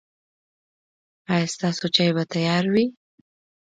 ایا ستاسو چای به تیار وي؟